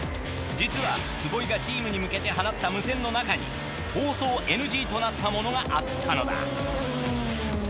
実は坪井がチームに向けて放った無線の中に放送ＮＧとなったものがあったのだ。